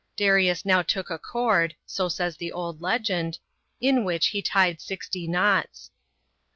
Darius now took a cord so says the old legend in which he tied sixty knots.